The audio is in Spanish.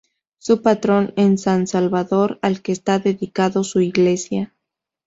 Su patrón es San Salvador, al que está dedicado su iglesia.